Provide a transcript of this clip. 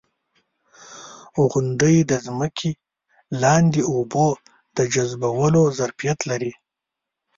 • غونډۍ د ځمکې لاندې اوبو د جذبولو ظرفیت لري.